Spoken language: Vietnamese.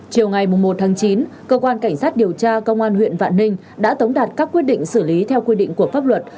chiều ngày một tháng chín cơ quan cảnh sát điều tra công an huyện vạn ninh đã tống đạt các quyết định xử lý theo quy định của pháp luật